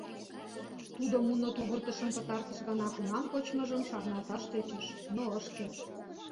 Тудо муно тувыртышым пытартыш гана кунам кочмыжым шарналташ тӧчыш, но ыш керт.